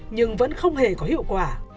nhưng vẫn không hề có hiệu quả